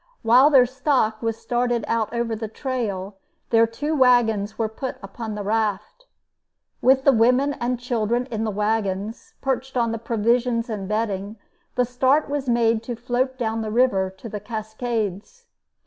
While their stock was started out over the trail, their two wagons were put upon the raft. With the women and children in the wagons, perched on the provisions and bedding, the start was made to float down the river to the Cascades.